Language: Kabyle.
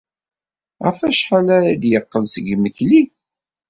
Ɣef wacḥal ara d-yeqqel seg yimekli?